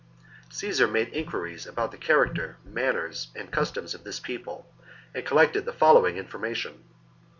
Caesar made inquiries about the character, manners, and customs of this people, and collected the follow ing information.